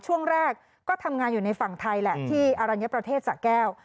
ช่วงแรกก็ทำงานอยู่ในฝั่งไทยแหละที่อรัญญประเทศสะแก้ว